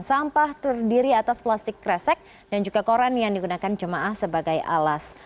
sampah terdiri atas plastik kresek dan juga koran yang digunakan jemaah sebagai alas